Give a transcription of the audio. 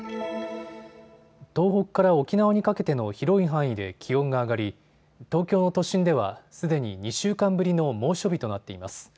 東北から沖縄にかけての広い範囲で気温が上がり東京都心ではすでに２週間ぶりの猛暑日となっています。